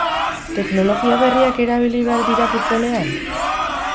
Teknologia berriak erabili behar dira futbolean?